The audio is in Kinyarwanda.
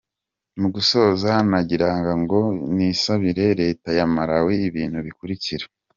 Mu gusoza, nagiraga ngo nisabire Leta ya Malawi ibintu bikurikira: